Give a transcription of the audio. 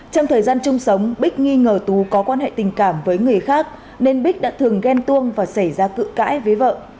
trong thời gian chung sống bích nghi ngờ tú có quan hệ tình cảm với người khác nên bích đã thường ghen tuông và xảy ra cự cãi với vợ